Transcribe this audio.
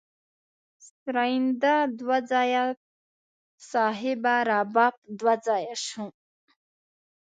سرینده دوه ځایه صاحبه رباب دوه ځایه شو.